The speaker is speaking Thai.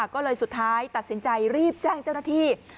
ก็เลยสุดท้ายตัดสินใจรีบแจ้งเจ้าหน้าที่